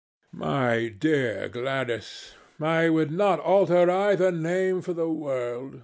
"My dear Gladys, I would not alter either name for the world.